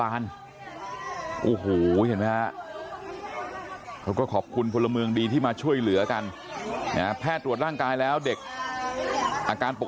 อันนึงออกเสียงร้องไกหนึ่งนะครับ